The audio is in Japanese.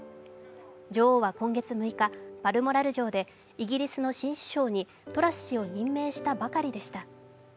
女王は今月６日、バルモラル城でイギリスの新首相にトラス氏を任命したばかりでした。